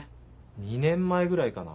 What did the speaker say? ２年前ぐらいかな。